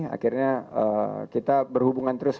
akhirnya kita berhubungan terus